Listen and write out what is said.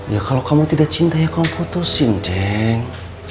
ya kalo kamu tidak cinta ya kamu putusin ceng